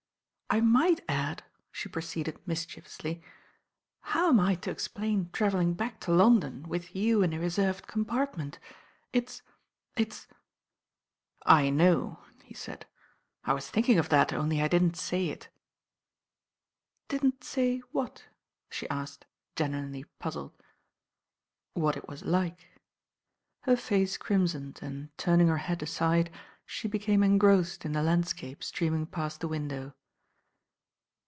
"I might add," she proceeded mischievously, "how am I to explain travelling back to London with you in a reserved compartment? It's— it's ^" "I know," he said. "I was thinking of that, only I didn't say it." "Didn't say what?" she asked, genuinely puz zled. "What it was like." Her face crimsoned and, turning her head aside, she became engrossed in the landscape streaming past the window.